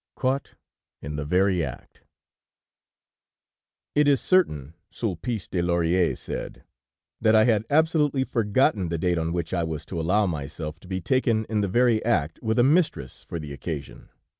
CAUGHT IN THE VERY ACT "It is certain," Sulpice de Laurièr said, "that I had absolutely forgotten the date on which I was to allow myself to be taken in the very act, with a mistress for the occasion.